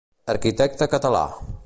Arquitecte català.